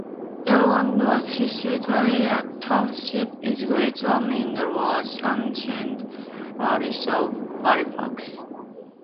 Elland was historically a township, with Greetland, in the large ancient parish of Halifax.